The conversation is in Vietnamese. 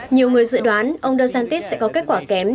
nhiều người dự đoán ông desantis sẽ có kết quả kém